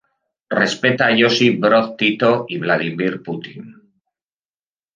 Respeta a Josip Broz Tito y Vladimir Putin.